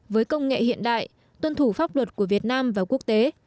với công nghệ hiện đại tuân thủ pháp luật của việt nam và quốc tế